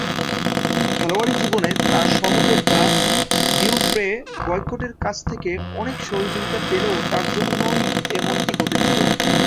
খেলোয়াড়ী জীবনে তার সহযোদ্ধা জিওফ্রে বয়কটের কাছ থেকে অনেক সহযোগিতা পেলেও তার জন্যেই এমনটি ঘটেছিল।